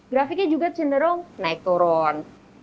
grafiknya juga cenderung naik turun